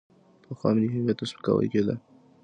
پخوا ملي هویت ته سپکاوی کېده.